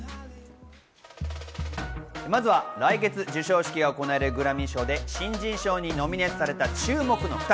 まずは、来月授賞式が行われるグラミー賞で、新人賞にノミネートされた注目の２人。